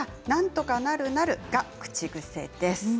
なんとかなるなるが口癖です。